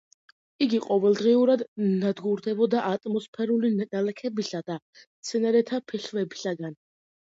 იგი ყოველდღიურად ნადგურდება ატმოსფერული ნალექებისა და მცენარეთა ფესვებისაგან.